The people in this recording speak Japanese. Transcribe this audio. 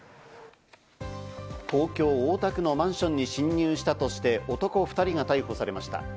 東京・大田区のマンションに侵入したとして男２人が逮捕されました。